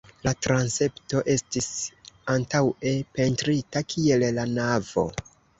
La transepto estis antaŭe pentrita kiel la navo.